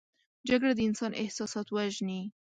جګړه د انسان احساسات وژني